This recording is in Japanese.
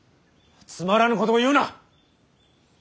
つまらぬことを言うな。